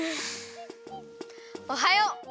おはよう！